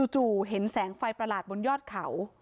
จู่เห็นแสงไฟประหลาดบนยอดเขา